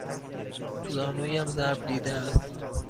زانویم ضرب دیده است.